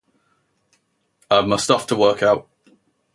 I have my stuff to work out...